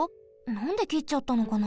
なんできっちゃったのかな。